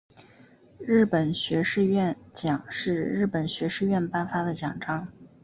日本学士院奖是日本学士院颁发的奖章。